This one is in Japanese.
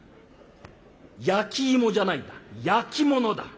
「焼き芋じゃないんだ焼き物だ。